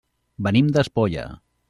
Venim d'Espolla.